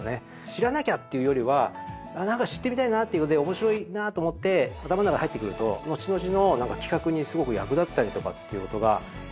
知らなきゃっていうよりは何か知ってみたいなっていうので面白いなと思って頭の中に入ってくると後々の企画にすごく役立ったりとかっていうことがあるんですよね。